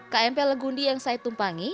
kmp legundi yang saya tumpangi